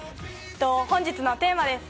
本日のテーマです。